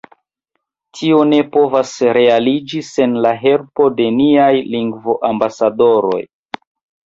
Tio ne povas realiĝi sen la helpo de niaj lingvoambasadoroj.